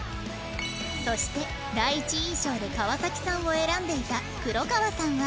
そして第一印象で川崎さんを選んでいた黒川さんは